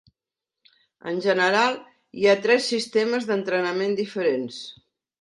En general hi ha tres sistemes d'entrenament diferents.